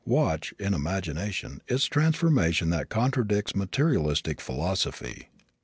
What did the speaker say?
Watch, in imagination, its transformation that contradicts materialistic philosophy.